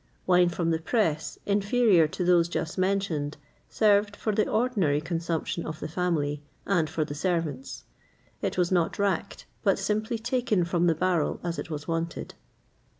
[XXVIII 53] Wine from the press, inferior to those just mentioned, served for the ordinary consumption of the family, and for the servants.[XXVIII 54] It was not racked, but simply taken from the barrel as it was wanted.